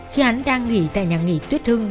khi hắn đang nghỉ tại nhà nghỉ tuyết hưng